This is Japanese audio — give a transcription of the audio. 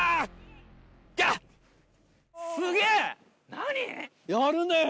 何？